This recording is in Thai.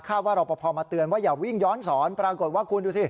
ว่ารอปภมาเตือนว่าอย่าวิ่งย้อนสอนปรากฏว่าคุณดูสิ